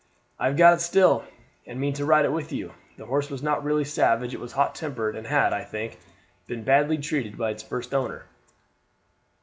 "I have got it still, and mean to ride it with you. The horse was not really savage. It was hot tempered, and had, I think, been badly treated by its first owner.